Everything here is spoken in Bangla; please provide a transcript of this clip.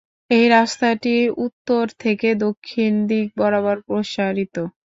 এই রাস্তাটি উত্তর থেকে দক্ষিণ দিক বরাবর প্রসারিত।